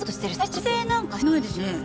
反省なんかしてないですよね？